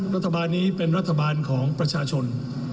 รัฐบาลนี้เป็นรัฐบาลของประชาชน